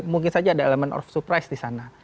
mungkin saja ada elemen of surprise di sana